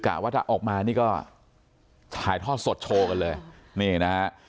กล่าวว่าออกมาเนี่ยก็ถ่ายทอดสดโชว์เลย